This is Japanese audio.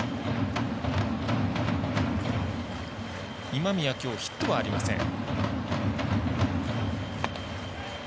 今宮、きょうヒットはありません。